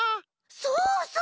そうそう！